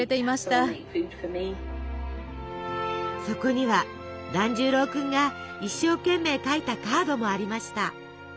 そこには團十郎くんが一生懸命描いたカードもありました。